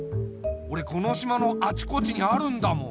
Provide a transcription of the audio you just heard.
おれこの島のあちこちにあるんだもん。